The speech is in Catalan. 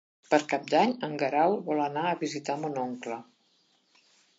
Per Cap d'Any en Guerau vol anar a visitar mon oncle.